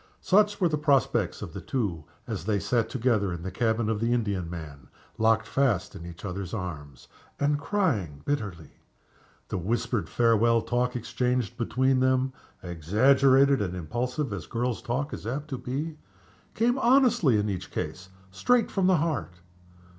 Such were the prospects of the two as they sat together in the cabin of the Indiaman locked fast in each other's arms, and crying bitterly. The whispered farewell talk exchanged between them exaggerated and impulsive as girls' talk is apt to be came honestly, in each case, straight from the heart.